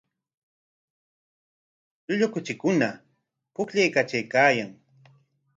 Llullu kuchikuna pukllaykatraykaayan.